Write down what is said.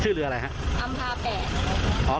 ซึ่งเรืออะไรครับ